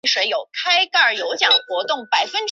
秘书监牛弘以德源推荐他与着作郎王邵同修国史。